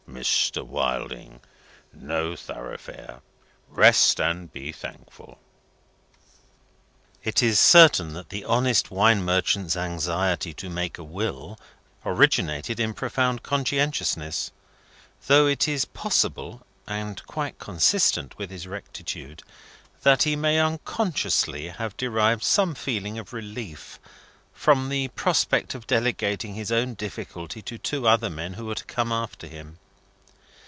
"Mr. Wilding, No Thoroughfare. Rest and be thankful." It is certain that the honest wine merchant's anxiety to make a will originated in profound conscientiousness; though it is possible (and quite consistent with his rectitude) that he may unconsciously have derived some feeling of relief from the prospect of delegating his own difficulty to two other men who were to come after him.